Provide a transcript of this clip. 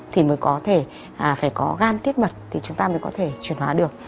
thì mới có thể phải có gan thiết mật thì chúng ta mới có thể chuyển hóa được